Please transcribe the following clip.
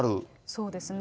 そうですね。